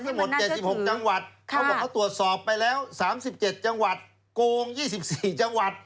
ทั้งหมด๗๖จังหวัดเขาบอกเขาตรวจสอบไปแล้ว๓๗จังหวัดโกง๒๔จังหวัด